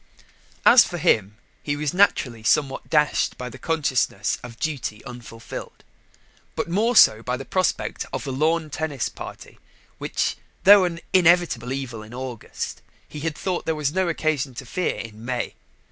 As for him, he was naturally somewhat dashed by the consciousness of duty unfulfilled, but more so by the prospect of a lawn tennis party, which, though an inevitable evil in August, he had thought there was no occasion to fear in May.